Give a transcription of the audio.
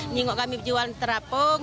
nengok kami jualan terapung